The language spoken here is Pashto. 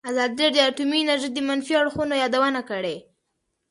ازادي راډیو د اټومي انرژي د منفي اړخونو یادونه کړې.